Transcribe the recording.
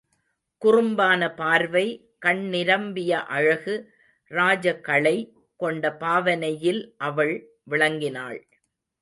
குறும்பான பார்வை, கண் நிரம்பிய அழகு ராஜகளை கொண்ட பாவனையில் அவள் விளங்கினாள்.